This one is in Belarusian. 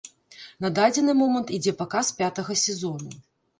На дадзены момант ідзе паказ пятага сезону.